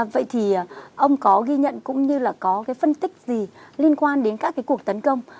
vậy thì ông có ghi nhận cũng như là có cái phân tích gì liên quan đến các cái cuộc tấn công